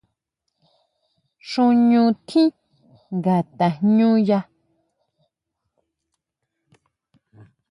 Xuñu tjín nga tajñuña.